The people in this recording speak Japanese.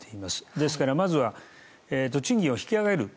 ですからまずは賃金を引き上げる。